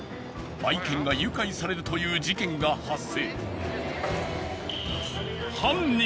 ［愛犬が誘拐されるという事件が発生］